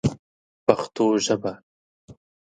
پښتو ژبه